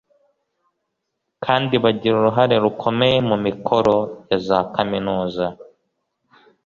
kandi bagira uruhare rukomeye mu mikoro ya za kaminuza